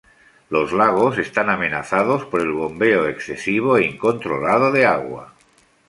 Los lagos están amenazados por el bombeo excesivo e incontrolado de agua.